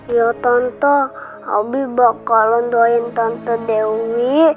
iya tante abi bakalan doain tante dewi